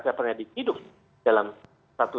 saya pernah dihidup dalam satu